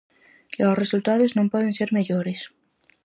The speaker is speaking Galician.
E os resultados non poden ser mellores.